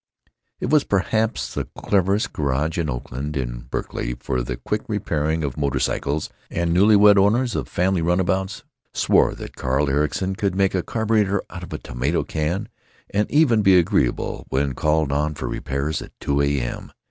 It was perhaps the cleverest garage in Oakland and Berkeley for the quick repairing of motor cycles; and newly wed owners of family runabouts swore that Carl Ericson could make a carburetor out of a tomato can, and even be agreeable when called on for repairs at 2 a.m.